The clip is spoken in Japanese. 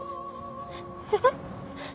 えっ？